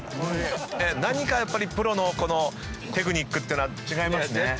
何かやっぱりプロのテクニックっていうのは違いますね。